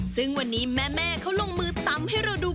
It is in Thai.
ซึ่งวันนี้แม่เขาลงมือตำให้เราดู